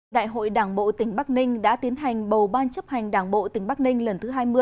đại hội đảng bộ tỉnh bắc ninh đã tiến hành bầu ban chấp hành đảng bộ tỉnh bắc ninh lần thứ hai mươi